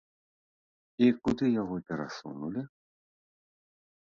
І куды яго перасунулі?